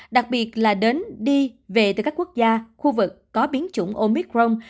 đặc biệt là đến đi về từ các quốc gia khu vực có biến chủng omicron